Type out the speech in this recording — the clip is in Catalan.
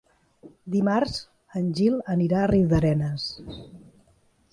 Dimarts en Gil anirà a Riudarenes.